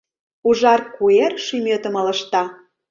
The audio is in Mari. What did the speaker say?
Ужар куэр шӱметым ылыжта.